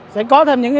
sẽ có thêm những